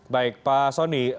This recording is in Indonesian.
baik pak soni